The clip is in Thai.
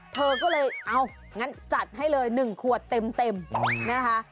เธอก็เลยเอางั้นจัดให้เลย๑ขวดเต็มนะคะ